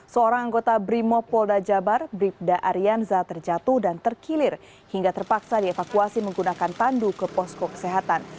seorang anggota brimopolda jabar bribda aryanza terjatuh dan terkilir hingga terpaksa dievakuasi menggunakan pandu ke posko kesehatan